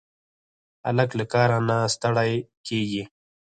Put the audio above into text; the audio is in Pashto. هلک له کاره نه ستړی کېږي.